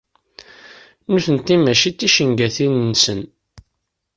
Nutenti mačči d ticengatin-nsen.